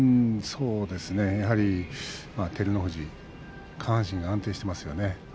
やはり照ノ富士下半身が安定していますよね。